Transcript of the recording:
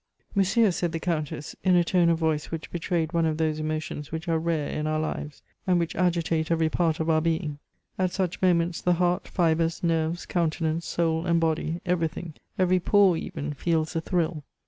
"Monsieur," said the Countess, in a tone of voice which betrayed one of those emotions which are rare in our lives, and which agitate every part of our being. At such moments the heart, fibres, nerves, countenance, soul, and body, everything, every pore even, feels a thrill.